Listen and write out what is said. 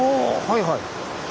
はいはい。